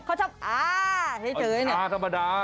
เขาชอบอ่าอ่าธรรมดา